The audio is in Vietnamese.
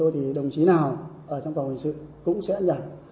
thì đồng chí nào ở trong phòng hình sự cũng sẽ nhận